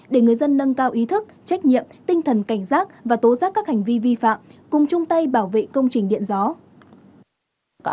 để người dân nâng cao ý thức trách nhiệm tinh thần cảnh giác và tố giác các hành vi vi phạm cùng chung tay bảo vệ công trình điện gió